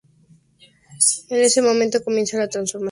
En este momento comienza la transformación de Walter Blanco.